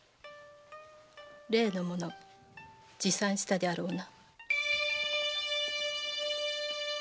例の物持参したであろうな？